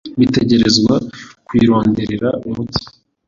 bitegerezwa kuyironderera umuti".